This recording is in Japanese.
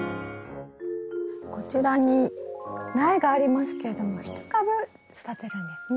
こちらに苗がありますけれども１株育てるんですね？